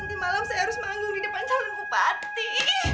nanti malam saya harus manggung di depan calon bupati